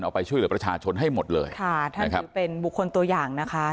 เอาไปช่วยเหลือประชาชนให้หมดเลยค่ะท่านถือเป็นบุคคลตัวอย่างนะคะ